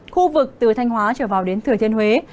khu vực từ thanh hóa trở vào đến thừa thiên huế